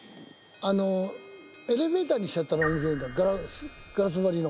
あのエレベーターにしちゃったガラス張りの。